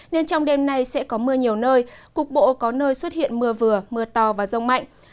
nên trong đêm nay sẽ có mưa nhiều nơi cục bộ có nơi xuất hiện mưa vừa mưa to và rông mạnh